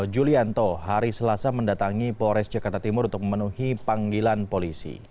julianto hari selasa mendatangi polres jakarta timur untuk memenuhi panggilan polisi